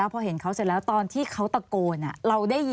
อันนั้นพี่ถามใครดี